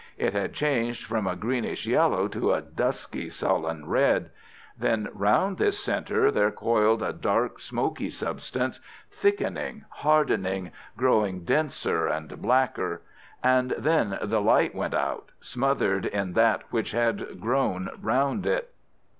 It had changed from a greenish yellow to a dusky sullen red. Then round this centre there coiled a dark, smoky substance, thickening, hardening, growing denser and blacker. And then the light went out, smothered in that which had grown round it.